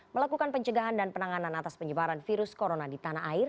melakukan pencegahan dan penanganan atas penyebaran virus corona di tanah air